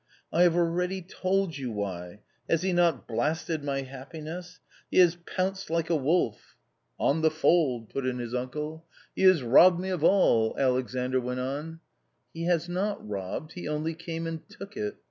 " I have already told you why ; has he not blasted my happiness ? He has pounced like a wolf "/ 134 A COMMON STORY " On the fold !" put in his uncle. " He has robbed me of all," Alexandr went on. " He has not robbed ; he only came and took it.